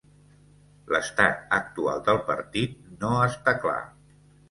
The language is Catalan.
L'estat actual del partit no està clar.